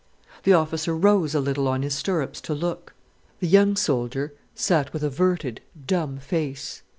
The officer rose a little on his stirrups to look. The young soldier sat with averted, dumb face.